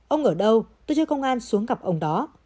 ông ở đâu tôi cho công an xuống gặp ông đó